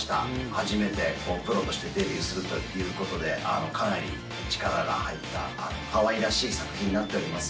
初めてプロとしてデビューするということで、かなり力が入ったかわいらしい作品になっております。